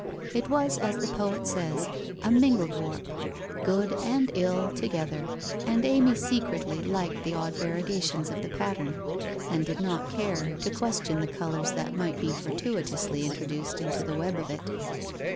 It was as the poet says, a mingled warp — good and ill together and Amy secretly liked the odd variegations of the pattern, and did not care fit WHITE ROSE OF WEARY LEAF to question the colours thai might be fortuitously intro duced into the web of it.